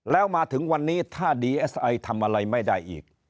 แล้วมาถึงวันนี้ถ้าดีเอสไอทำอะไรไม่ได้อีก